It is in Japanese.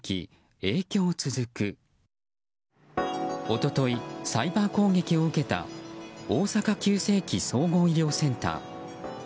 一昨日、サイバー攻撃を受けた大阪急性期・総合医療センター。